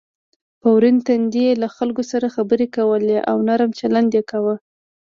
په ورین تندي یې له خلکو سره خبرې کولې او نرم چلند یې کاوه.